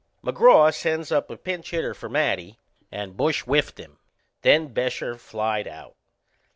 McGraw sends up a pinch hitter for Matty and Bush whiffed him. Then Bescher flied out.